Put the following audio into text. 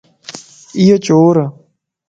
ايو چورَ